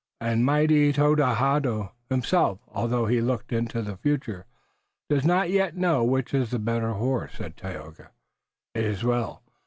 "And mighty Todadaho himself, although he looks into the future, does not yet know which is the better horse," said Tayoga. "It is well.